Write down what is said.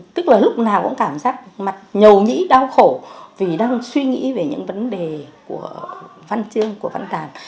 tức là lúc nào cũng cảm giác mặt nhầu nhí đau khổ vì đang suy nghĩ về những vấn đề của văn chương của văn tàng